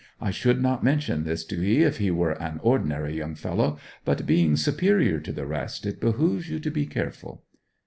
I should not mention this to 'ee if he were an ordinary young fellow; but being superior to the rest it behoves you to be careful.'